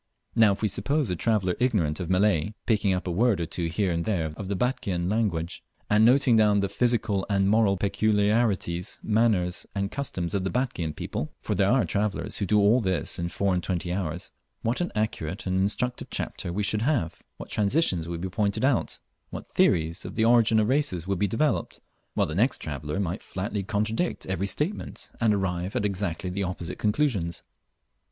Now if we suppose a traveller ignorant of Malay, picking up a word or two here and there of the "Batchian language," and noting down the "physical and moral peculiarities, manners, and customs of the Batchian people" (for there are travellers who do all this in four and twenty hours) what an accurate and instructive chapter we should have' what transitions would be pointed out, what theories of the origin of races would be developed while the next traveller might flatly contradict every statement and arrive at exactly opposite conclusions.